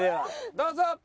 どうぞ！